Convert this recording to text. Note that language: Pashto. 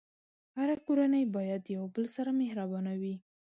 هره کورنۍ باید د یو بل سره مهربانه وي.